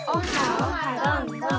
オハどんどん！